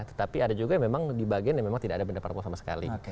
tetapi ada juga yang memang di bagian yang memang tidak ada benda parpol sama sekali